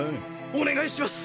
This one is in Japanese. お願いします。